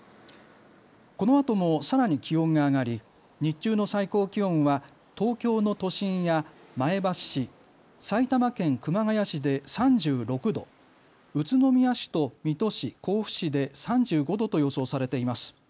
このあともさらに気温が上がり、日中の最高気温は東京の都心や前橋市、埼玉県熊谷市で３６度、宇都宮市と水戸市、甲府市で３５度と予想されています。